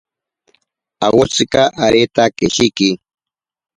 Awotsika areta keshiki.